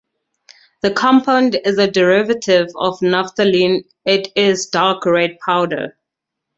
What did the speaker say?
The compound is a derivative of naphthalene, it is dark red powder.